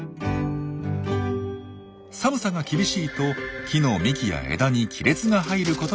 寒さが厳しいと木の幹や枝に亀裂が入ることがあります。